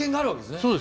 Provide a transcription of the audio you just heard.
そうです。